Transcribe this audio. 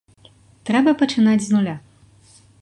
Трэба пачынаць з нуля.